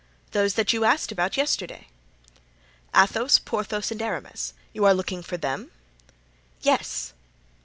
"Those that you asked about yesterday." "Athos, Porthos and Aramis—you are looking for them?" "Yes."